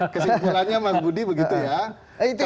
kesimpulannya mas budi begitu ya